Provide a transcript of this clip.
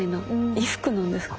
衣服なんですかね？